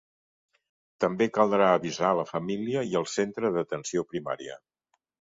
També caldrà avisar la família i el Centre d'Atenció Primària.